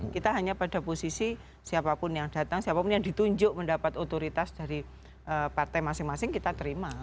kita hanya pada posisi siapapun yang datang siapapun yang ditunjuk mendapat otoritas dari partai masing masing kita terima